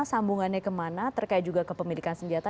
sambungannya kemana terkait juga kepemilikan senjata